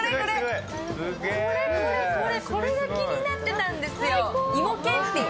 これ、これ、これが気になったんですよ。